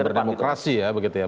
berdemokrasi ya begitu ya